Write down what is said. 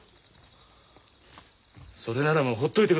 それならもう放っといてください。